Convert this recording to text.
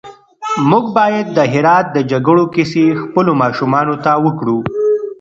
موږ بايد د هرات د جګړو کيسې خپلو ماشومانو ته وکړو.